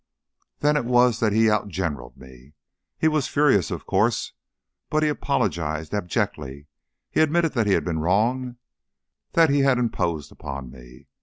"Then it was that he outgeneraled me. He was furious, of course, but he apologized abjectly. He admitted that he had been wrong; that he had imposed upon me.